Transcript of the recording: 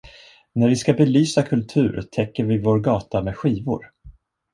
När vi ska belysa kultur täcker vi vår gata med skivor.